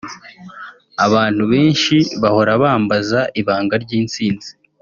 Abantu benshi bahora bambaza ibanga ry’intsinzi